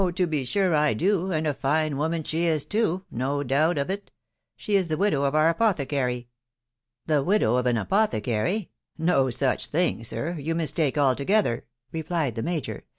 to be sure I do, and a fine woman she is too,— no doubt of it. She is the widow of our apothecary." " The widow of an apothecary ?.... No such thing, sir ; you mistake altogether," replied the major.